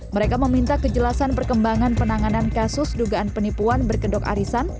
mereka meminta kejelasan perkembangan penanganan kasus dugaan penipuan berkedok arisan